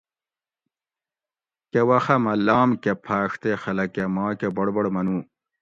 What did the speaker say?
کہ وخہ مہ لام کہۤ پھاۤڛ تے خلکہ ماکہ بڑ بڑ منُو